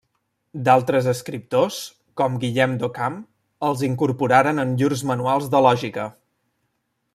D'altres escriptors, com Guillem d'Occam, els incorporaren en llurs manuals de lògica.